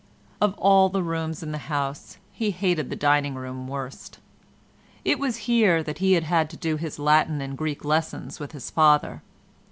Of all the rooms in the house he hated the dining room worst. It was here that he had had to do his Latin and Greek lessons with his father.